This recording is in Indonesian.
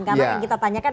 karena yang kita tanyakan